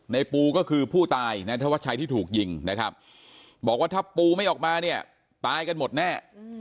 ในปูก็คือผู้ตายนะธวัดชัยที่ถูกยิงนะครับบอกว่าถ้าปูไม่ออกมาเนี่ยตายกันหมดแน่